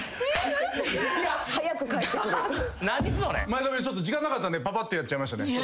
前髪ちょっと時間なかったんでぱぱっとやっちゃいましたね。